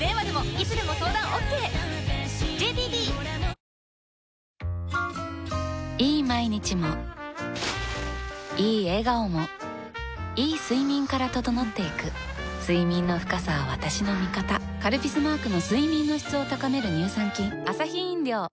大豆麺キッコーマンいい毎日もいい笑顔もいい睡眠から整っていく睡眠の深さは私の味方「カルピス」マークの睡眠の質を高める乳酸菌